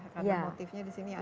karena motifnya disini ada ikan